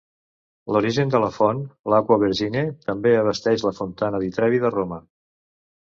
L'origen de la font, l'Acqua Vergine, també abasteix la Fontana di Trevi de Roma.